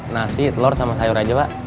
nasi telur sama sayur aja pak